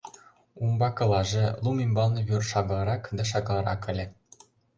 Умбакылаже лум ӱмбалне вӱр шагалрак да шагалрак ыле.